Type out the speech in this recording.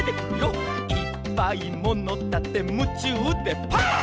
「いっぱいものたてむちゅうでパン！」